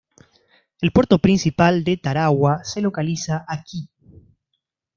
El puerto principal de Tarawa se localiza aquí.